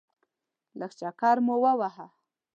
لږ چکر مو وواهه.